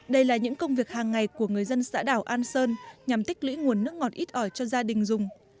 đây là những công việc hàng ngày của người dân xã đảo an sơn nhằm tích lũy nguồn nước ngọt ít ỏi cho gia đình dùng